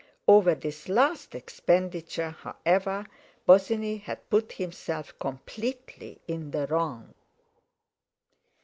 Over this last expenditure, however, Bosinney had put himself completely in the wrong.